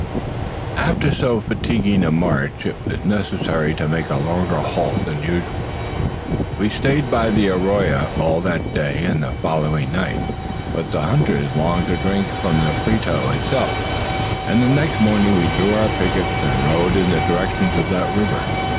After so fatiguing a march, it was necessary to make a longer halt than usual. We stayed by the arroyo all that day and the following night. But the hunters longed to drink from the Prieto itself; and the next morning we drew our pickets, and rode in the direction of that river.